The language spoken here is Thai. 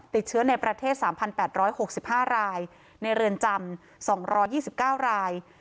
ติดเชื้อในประเทศ๓๘๖๕รายในเรือนจำ๒๒๙ราย